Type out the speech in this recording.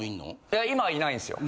いや今はいないんですよ。